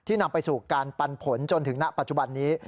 นำไปสู่การปันผลจนถึงณปัจจุบันนี้